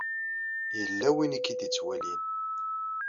Yella win i k-id-ittwalin.